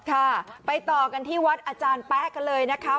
ค่ะไปต่อกันที่วัดอาจารย์แป๊ะกันเลยนะคะ